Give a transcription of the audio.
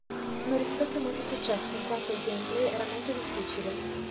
Non riscosse molto successo in quanto il gameplay era molto difficile.